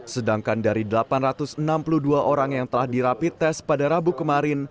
sedangkan dari delapan ratus enam puluh dua orang yang telah dirapi tes pada rabu kemarin